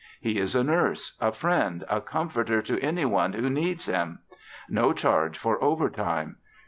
He is a nurse, a friend, a comforter to any one who needs him. No charge for overtime.